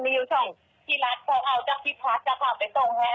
มีอยู่ช่องที่รักต้องเอาจากที่พัสจากออกไปตรงให้